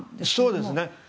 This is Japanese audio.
そうですね。